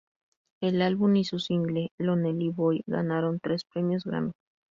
El álbum, y su single Lonely Boy ganaron tres Premios Grammy.